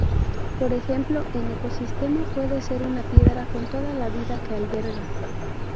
Por ejemplo, un ecosistema puede ser una piedra con toda la vida que alberga.